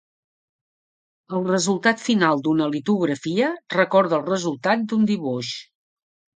El resultat final d'una litografia recorda al resultat d'un dibuix.